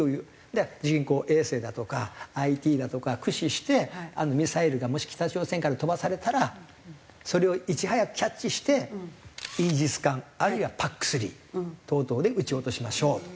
だから人工衛星だとかＩＴだとか駆使してミサイルがもし北朝鮮から飛ばされたらそれをいち早くキャッチしてイージス鑑あるいはＰＡＣ−３等々で打ち落としましょうと。